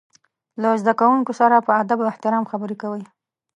له زده کوونکو سره په ادب او احترام خبرې کوي.